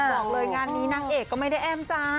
บอกเลยงานนี้นางเอกก็ไม่ได้แอ้มจ้า